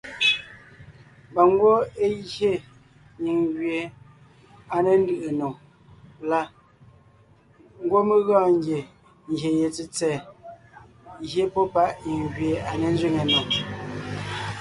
Mba ngwɔ́ é gye nyìŋ gẅie à ne ńdʉʼʉ nò la, ngwɔ́ mé gɔɔn ngie ngyè ye tsètsɛ̀ɛ gye pɔ́ páʼ nyìŋ gẅie à ne ńzẅíŋe nò.